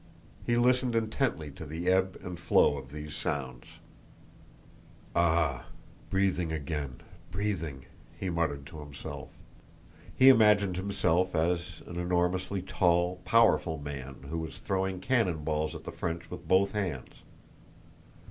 He listened intently to the ebb and flow of these sounds. * Daughter of Matthew. "Ah! Breathing again, breathing!" he muttered to himself. He imagined himself as an enormously tall, powerful man who was throwing cannon balls at the French with both hands.